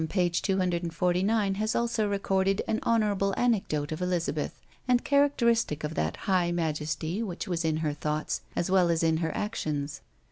249, has also recorded an honourable anecdote of Elizabeth, and characteristic of that high majesty which was in her thoughts, as well as in her actions.